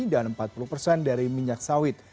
dan empat puluh dari minyak sawit